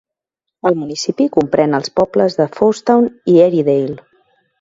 El municipi comprèn els pobles de Fousetown i Airydale.